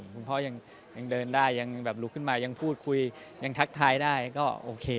คุณพ่อยังเดินได้ยังแบบลุกขึ้นมายังพูดคุยยังทักทายได้ก็โอเค